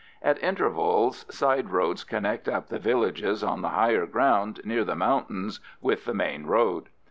At intervals side roads connect up the villages on the higher ground near the mountains with the main road.